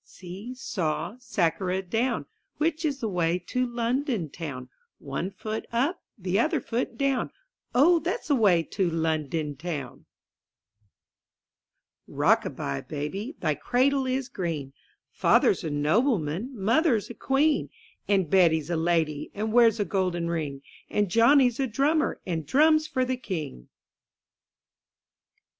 EE SAW, sacaradown, .M^ Which is the way to London town ne foot up, the other foot down, Oh, that's the way to London town i^w^ TiOCK A BYE, baby, *^ thy cradle is green; Father's a nobleman, mother's a queen; And Betty's a lady, and wears a gold ring. And Johnny's a drummer, and drums for the king.